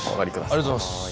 ありがとうございます。